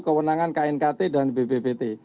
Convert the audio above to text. kewenangan knkt dan bbbt